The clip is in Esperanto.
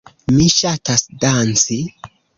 Mi ŝatas danci.